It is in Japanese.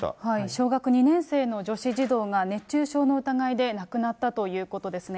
小学２年生の女子児童が熱中症の疑いで亡くなったということですね。